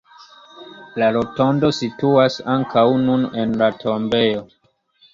La rotondo situas ankaŭ nun en la tombejo.